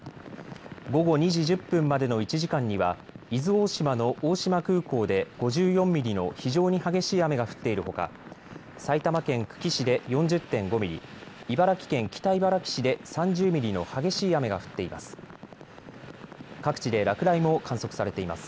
午後２時１０分までの１時間には伊豆大島の大島空港で５４ミリの非常に激しい雨が降っているほか埼玉県久喜市で４０．５ミリ、茨城県北茨城市で３０ミリの激しい雨が降っています。